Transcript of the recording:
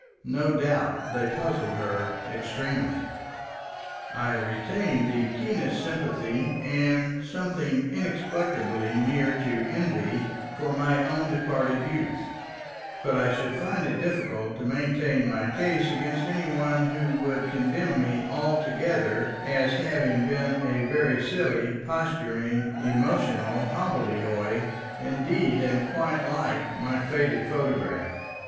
No doubt they puzzled her extremely. I retain the keenest sympathy and something inexplicably near to envy for my own departed youth, but I should find it difficult to maintain my case against any one who would condemn me altogether as having been a very silly, posturing, emotional hobbledehoy indeed and quite like my faded photograph.